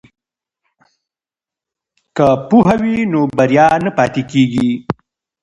که پوهه وي نو بریا نه پاتې کیږي.